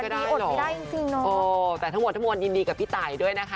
ไม่อดไปได้จริงโอ้แต่ทั้งหมดทั้งหมดยินดีกับพี่ตายด้วยนะคะ